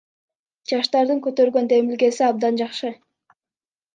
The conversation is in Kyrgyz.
Жаштардын которгон демилгеси абдан жакшы.